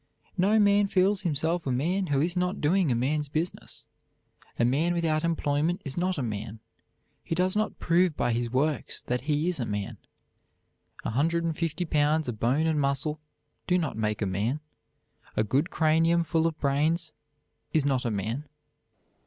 No man feels himself a man who is not doing a man's business. A man without employment is not a man. He does not prove by his works that he is a man. A hundred and fifty pounds of bone and muscle do not make a man. A good cranium full of brains is not a man.